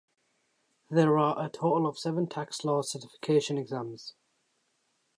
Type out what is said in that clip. There are a total of seven tax law certification exams.